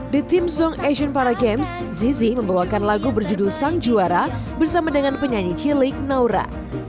di theme song asian para games zizi membawakan lagu berjudul sang juara bersama dengan penyanyi cilik naura